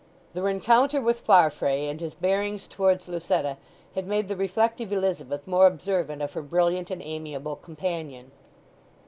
The rencounter with Farfrae and his bearings towards Lucetta had made the reflective Elizabeth more observant of her brilliant and amiable companion.